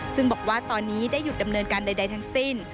ซึ่งบอกว่าตอนนี้ได้หยุดดำเนินการใดทั้งสิ้น